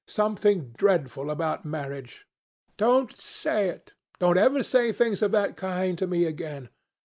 Something dreadful about marriage. Don't say it. Don't ever say things of that kind to me again.